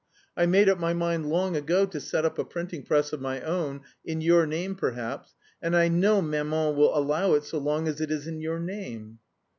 I made up my mind long ago to set up a printing press of my own, in your name perhaps and I know maman will allow it so long as it is in your name...."